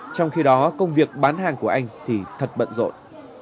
trong khi đó công việc bán hàng của anh thì thật bận rộn